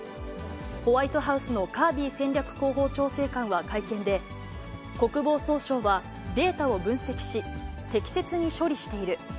ホワイトハウスのカービー戦略広報調整官は会見で、国防総省はデータを分析し、適切に処理している。